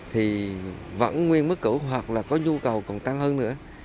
thì vẫn nguyên mức cũ hoặc là có nhu cầu còn tăng hơn nữa